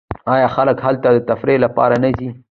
آیا خلک هلته د تفریح لپاره نه ځي؟